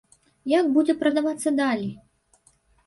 Як будзе прадавацца далей?